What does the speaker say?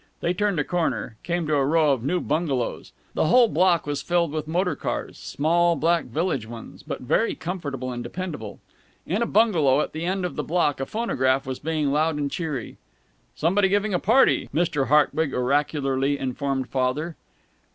They turned a corner, came to a row of new bungalows. The whole block was filled with motor cars, small black village ones, but very comfortable and dependable. In a bungalow at the end of the block a phonograph was being loud and cheery. "Somebody giving a party," Mr. Hartwig oracularly informed Father.